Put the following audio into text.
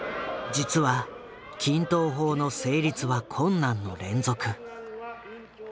実は均等法の成立は困難の連続。